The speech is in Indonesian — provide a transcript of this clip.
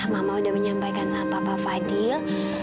mama udah menyampaikan sama papa fadil